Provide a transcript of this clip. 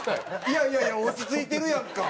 いやいやいや落ち着いてるやんか。